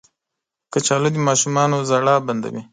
کچالو د ماشومانو ژړا بندوي